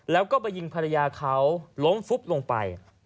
แล้วก็ไปยิงภรรยาเขาล้มฟุบลงไป